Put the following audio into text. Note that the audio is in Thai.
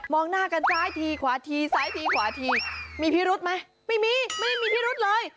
หน้ากันซ้ายทีขวาทีซ้ายทีขวาทีมีพิรุธไหมไม่มีไม่มีพิรุษเลย